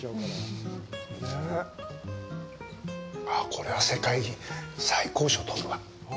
これは世界最高賞、取るわ。